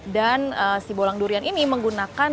dan sibolang durian ini menggunakan